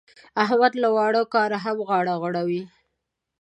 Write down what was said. احمد له واړه کاره هم غاړه غړوي.